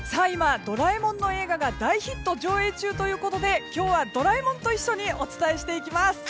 今、ドラえもんの映画が大ヒット上映中ということで今日はドラえもんと一緒にお伝えしていきます。